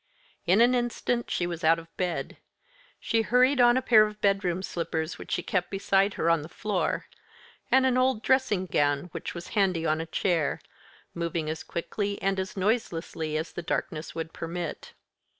In an instant she was out of bed. She hurried on a pair of bedroom slippers which she kept beside her on the floor, and an old dressing gown which was handy on a chair, moving as quickly and as noiselessly as the darkness would permit.